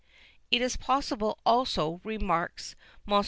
It is possible also, remarks Mons.